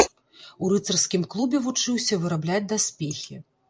У рыцарскім клубе вучыўся вырабляць даспехі.